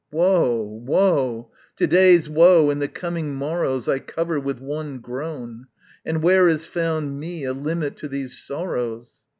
Woe, woe! to day's woe and the coming morrow's I cover with one groan. And where is found me A limit to these sorrows?